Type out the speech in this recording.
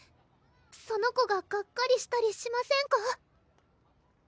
その子ががっかりしたりしませんか？